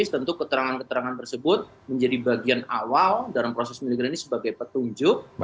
tentu keterangan keterangan tersebut menjadi bagian awal dalam proses militer ini sebagai petunjuk